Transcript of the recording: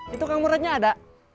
itu kamu rednya ada